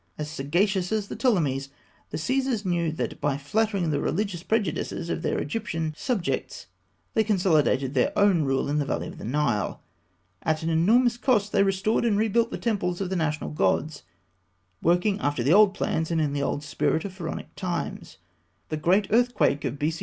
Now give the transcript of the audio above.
As sagacious as the Ptolemies, the Caesars knew that by flattering the religious prejudices of their Egyptian subjects they consolidated their own rule in the valley of the Nile. At an enormous cost, they restored and rebuilt the temples of the national gods, working after the old plans and in the old spirit of Pharaonic times. The great earthquake of B.C.